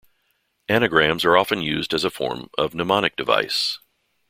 Anagrams are often used as a form of mnemonic device.